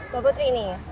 mbak putri ini